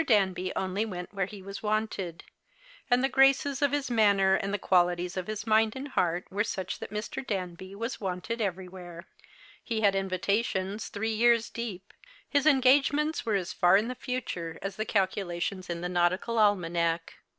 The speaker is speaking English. Danby only w ent where he was wanted ; and the graces of his manner and the qualities of his mind and heart were such that Mr. Danby was wanted everywhere. He had invitations three years deep. His eno ao ements were as far in the future as the calculations in the nautical almanac.